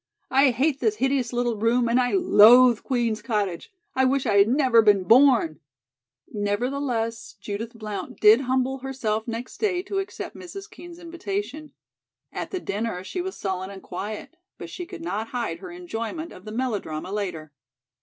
I hate this hideous little room and I loathe Queen's Cottage. I wish I had never been born." Nevertheless, Judith Blount did humble herself next day to accept Mrs. Kean's invitation. At the dinner she was sullen and quiet, but she could not hide her enjoyment of the melodrama later.